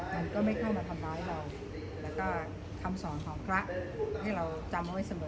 มันก็ไม่เข้ามาทำร้ายเราแล้วก็คำสอนของพระให้เราจำไว้เสมอ